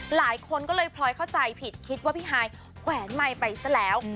หลายคนก็เลยพลอยเข้าใจผิดคิดว่าพี่ฮายแขวนไมค์ไปซะแล้ว